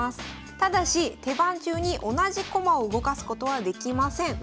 ただし手番中に同じ駒を動かすことはできません。